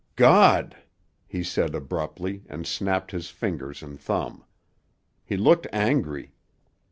"God!" he said abruptly and snapped his fingers and thumb. He looked angry.